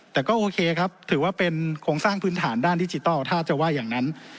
แต่ก็โอเคครับถือว่าเป็นโครงสร้างพื้นฐานด้านดิจิทัลถ้าจะว่าอย่างนั้น